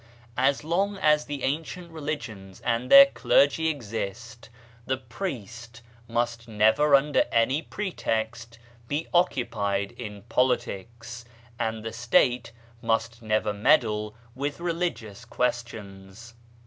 As long as the ancient religions and H 114 BAHAISM their clergy exist, the priest must never under any pretext be occupied in politics, and the State must never meddle with religious questions.